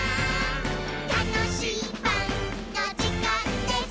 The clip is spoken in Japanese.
「たのしいパンのじかんです！」